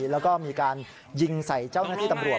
แล้วก็มีการยิงใส่เจ้าหน้าที่ตำรวจ